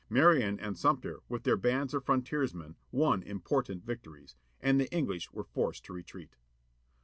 Marion and Sumter with their bands of frontiersmen won important victories. And the EngHsh were forced to retreat.